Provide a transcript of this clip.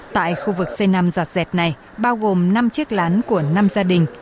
tại khu vực c năm giọt dẹt này bao gồm năm chiếc lán của năm gia đình